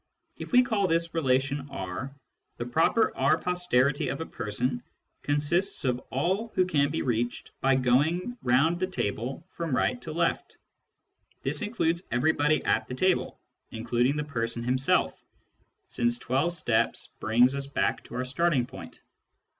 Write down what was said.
If we call this relation R, the proper R posterity of a person consists of all who can be reached by going round the table from right to left. This includes everybody at the table, including the person himself, since The Definition of Order 37 twelve steps bring us back to our starting point.